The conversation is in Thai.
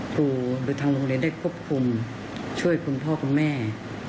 ครูหรือทางโรงเรียนได้ควบคุมช่วยคุณพ่อคุณแม่